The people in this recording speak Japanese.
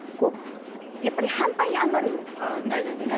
やっぱり半端に余るものってあるじゃないですか。